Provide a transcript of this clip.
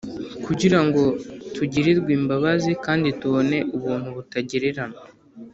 kugira ngo tugirirwe imbabazi kandi tubone ubuntu butagereranywa